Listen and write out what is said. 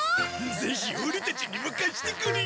ぜひオレたちにも貸してくれ！